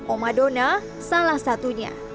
om adona salah satunya